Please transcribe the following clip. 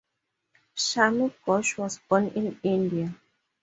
Shami Ghosh was born in India.